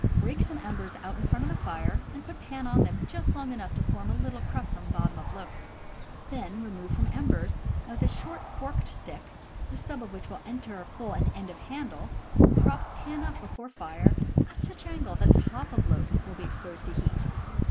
Rake some embers out in front of the fire and put pan on them just long enough to form a little crust on bottom of loaf. Then remove from embers, and, with a short forked stick, the stub of which will enter hole in end of handle, prop pan up before fire at such angle that top of loaf will be exposed to heat.